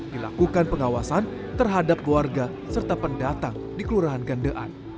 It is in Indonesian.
dilakukan pengawasan terhadap warga serta pendatang di kelurahan gandean